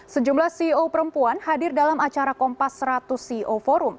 sejumlah ceo perempuan hadir dalam acara kompas seratus ceo forum